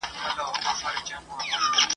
تل به تهمتونه د زندان زولنې نه ویني ..